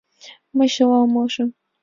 Мый чыла умылышым.